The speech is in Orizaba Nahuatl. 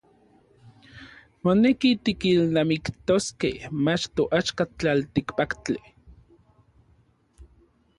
Moneki tikilnamiktoskej mach toaxka tlaltikpaktli.